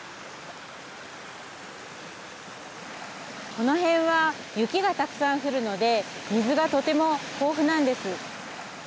この辺は雪がたくさん降るので水がとても豊富なんです。